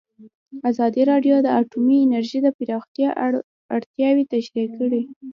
ازادي راډیو د اټومي انرژي د پراختیا اړتیاوې تشریح کړي.